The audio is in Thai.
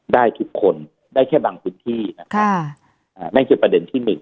ได้ทุกคนได้แค่บางพื้นที่นะครับอ่านั่นคือประเด็นที่หนึ่ง